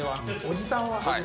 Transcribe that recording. おじさんは。